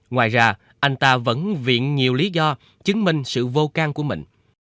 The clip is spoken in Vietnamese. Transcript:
ngoài ra anh ta vẫn viện nhiều lý do chứng minh sự vô can của mình